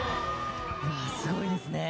すごいですね。